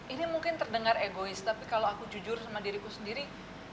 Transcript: ini mungkin terdengar egois tapi kalau aku jujur sama diriku sendiri